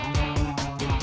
tidak ada yang bisa dikunci